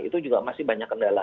itu juga masih banyak kendala